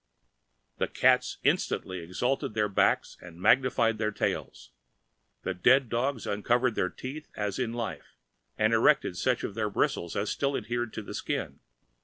The cats instantly exalted their backs and magnified their tails; the dead dogs uncovered their teeth as in life, and erected such of their bristles as still adhered to the skin.